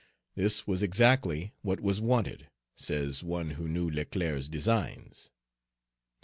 "This was exactly what was wanted," says one who knew Leclerc's designs.